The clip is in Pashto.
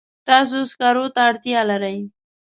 تاسو سکرو ته اړتیا لرئ.